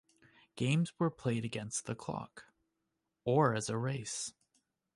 Games were played against the clock, or as a race.